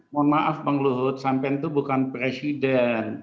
mohon maaf bang luhut sampen itu bukan presiden